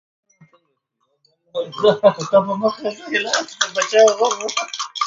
The characters also used the verb 'to hose' as a synonym for 'to swindle'.